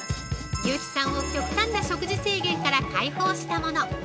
優木さんを極端な食事制限から解放したもの。